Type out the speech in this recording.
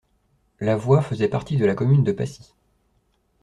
La voie faisait partie de la commune de Passy.